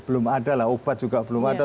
belum ada lah obat juga belum ada